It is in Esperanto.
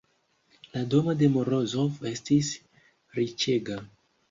La domo de Morozov estis riĉega.